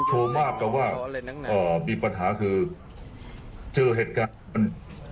มันโชคมากแต่ว่ามีปัญหาคือเจอเหตุการณ์